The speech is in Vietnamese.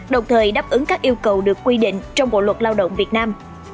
đồng thời đáp ứng các yêu cầu được quy định trong bộ luật lao động việt nam